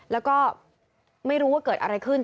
แล้วก็ไม่รู้ว่าเกิดอะไรขึ้น